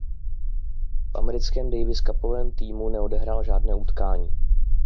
V americkém daviscupovém týmu neodehrál žádné utkání.